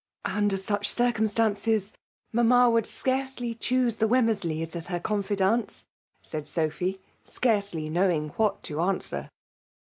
''" Under such circomstaiMies^ ^*m»"*"*«^ would .scsreely choose the Wenunersleys as her con fidants,'' said Sophy, scarcely knowing wihat to answer.